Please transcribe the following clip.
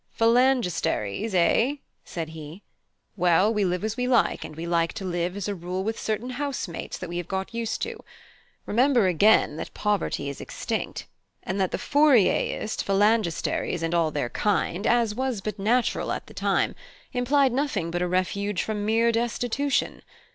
"Phalangsteries, eh?" said he. "Well, we live as we like, and we like to live as a rule with certain house mates that we have got used to. Remember, again, that poverty is extinct, and that the Fourierist phalangsteries and all their kind, as was but natural at the time, implied nothing but a refuge from mere destitution.